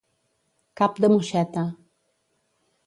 Cap de moixeta.